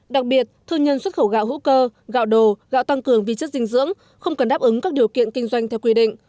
đặc biệt thương nhân xuất khẩu gạo hữu cơ gạo đồ gạo tăng cường vi chất dinh dưỡng không cần đáp ứng các điều kiện kinh doanh theo quy định